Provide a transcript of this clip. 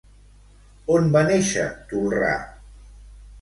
On va néixer Tolrà?